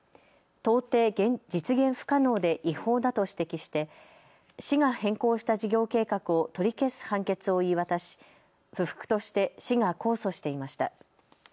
到底、実現不可能で違法だと指摘して市が変更した事業計画を取り消す判決を言い渡し不服として市が控訴していました。